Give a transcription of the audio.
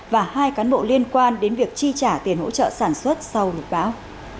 và hai cán bộ liên quan đến việc chi trả tiền hỗ trợ sản xuất sau lục báo